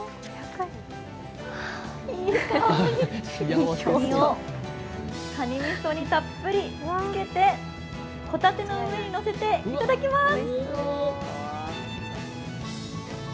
かにをかにみそにたっぷりつけて、ほたての上にのせていただきます。